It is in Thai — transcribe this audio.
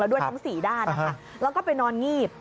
แล้วด้วยทั้ง๔ด้านแล้วก็ไปนอนงีบ